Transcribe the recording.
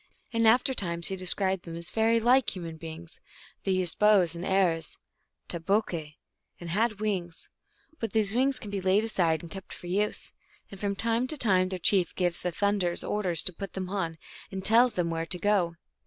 1 In after times he described them as very like human beings : they used bows and arrows (tah bokque), and had wings. But these wings can be laid aside, and kept for use. And from time to time their chief gives these Thun ders orders to put them on, and tells them where to go.